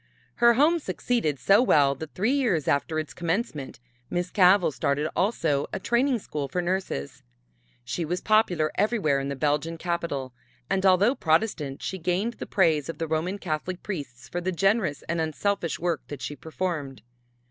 Her home succeeded so well that three years after its commencement, Miss Cavell started also a training school for nurses. She was popular everywhere in the Belgian capital, and although Protestant, she gained the praise of the Roman Catholic priests for the generous and unselfish work that she performed.